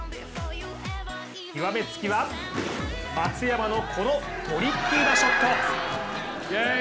極め付きは、松山のこのトリッキーなショット。